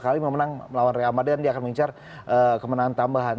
dua puluh dua kali memenang melawan real madrid dan dia akan mencar kemenangan tambahan